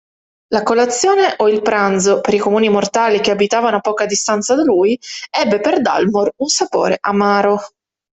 La colazione, o il pranzo per i comuni mortali che abitavano a poca distanza da lui, ebbe per Dalmor un sapore amaro.